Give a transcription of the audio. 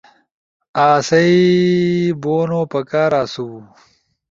[آسئی بونو پکار آسو]